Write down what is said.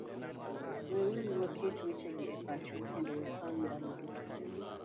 Weuru waket wechegi e pachwa kendo wapargi ndalo duto: